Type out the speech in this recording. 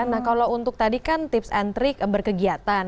nah kalau untuk tadi kan tips and trik berkegiatan